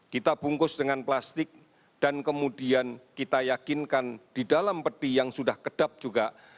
kita bungkus dengan plastik dan kemudian kita yakinkan di dalam peti yang sudah kedap juga